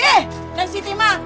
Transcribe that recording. ih neng siti mah